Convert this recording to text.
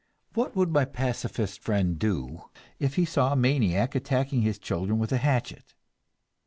What would my pacifist friend do if he saw a maniac attacking his children with a hatchet?